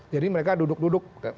jadi mereka duduk duduk